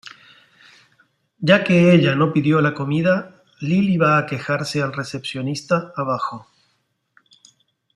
Ya que ella no pidió la comida, Lily va a quejarse al recepcionista abajo.